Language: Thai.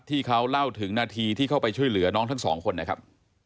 ที่เขาเล่าถึงนาทีที่เข้าไปช่วยเหลือน้องทั้งสองคนนะครับ